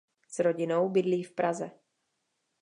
S rodinou bydlí v Praze.